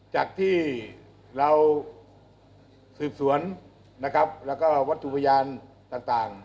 จากที่เราสืบสวนแล้วก็วัดถูกบรรยานต่าง